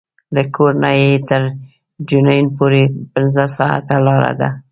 له کور نه یې تر جنین پورې پنځه ساعته لاره ده.